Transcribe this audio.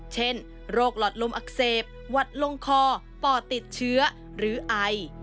เช่นโรคหลอดลมอักเสบหวัดลงคอปอดติดเชื้อหรือไอ